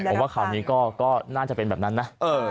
ผมก็คลามีก็น่าจะเป็นแบบนั้นนะ